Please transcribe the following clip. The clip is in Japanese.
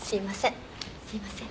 すいません。